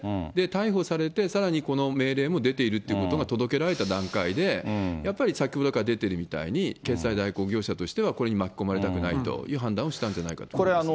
逮捕されて、さらにこの命令も出ているということは、届けられた段階で、やっぱり先ほどから出ているみたいに、決済代行業者としては、これに巻き込まれたくないという判断をしたんだろうと思いますね。